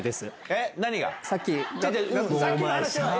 えっ？何が？